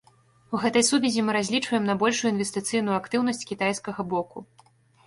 У гэтай сувязі мы разлічваем на большую інвестыцыйную актыўнасць кітайскага боку.